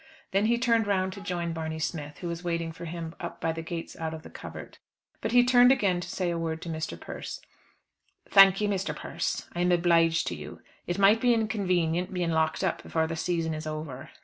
Then he turned round to join Barney Smith, who was waiting for him up by the gate out of the covert. But he turned again to say a word to Mr. Persse. "Thank you, Persse, I am obliged to you. It might be inconvenient being locked up before the season is over."